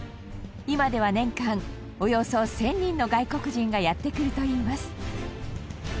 今では年間およそ１０００人の外国人がやって来るといいます。